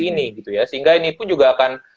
ini gitu ya sehingga ini pun juga akan